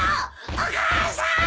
お母さーん！